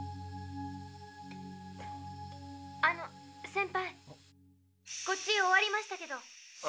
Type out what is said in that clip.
あのセンパイこっち終わりましたけど。